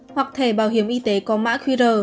hoặc thề bảo hiểm y tế có mã qr